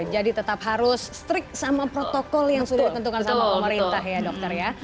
tetap harus strict sama protokol yang sudah ditentukan sama pemerintah ya dokter ya